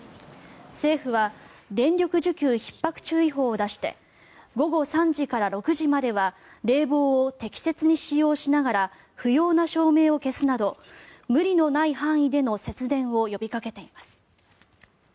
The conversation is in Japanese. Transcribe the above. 政府は電力需給ひっ迫注意報を出して午後３時から６時までは冷房を適切に使用しながら不要な照明を消すなど無理のない範囲での節電を呼びかけています。